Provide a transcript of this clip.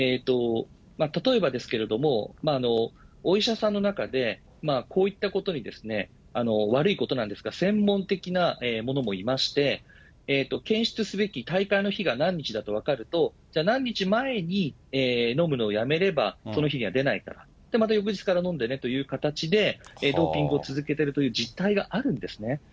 例えばですけれども、お医者さんの中で、こういったことに、悪いことなんですが、専門的なものもいまして、検出すべき大会の日が何日だと分かると、じゃあ、何日前に飲むのをやめればその日には出ないから、また翌日から飲んでねという形で、ドーピングを続けているという実態があるんですね。